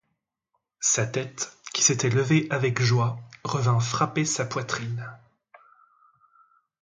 Sa tête, qui s'était levée avec joie, revint frapper sa poitrine.